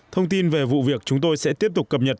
thông tin về vụ việc chúng tôi sẽ tiếp tục cập nhật